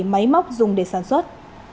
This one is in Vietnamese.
máy móc dùng để sản xuất